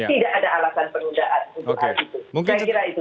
tidak ada alasan penundaan untuk hal itu